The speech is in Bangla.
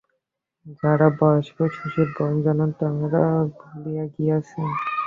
যারা বয়স্ক, শশীর বয়স যেন তারা ভুলিয়া গিয়াছেন।